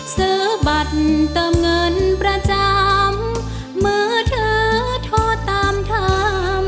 ซื้อบัตรเติมเงินประจำมือถือโทรตามถาม